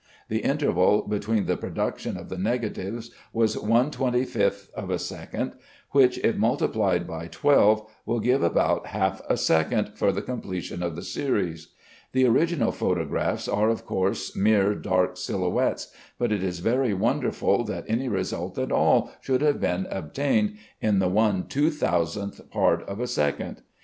The interval between the production of the negatives was one twenty fifth of a second, which, if multiplied by twelve, will give about half a second for the completion of the series. The original photographs are of course mere dark silhouettes, but it is very wonderful that any result at all should have been obtained in the 1/2000th part of a second.